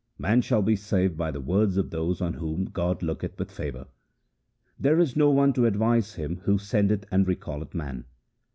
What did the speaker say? Man shall be saved by the words of those on whom God looketh with favour. There is no one to advise Him who sendeth and recall eth m an.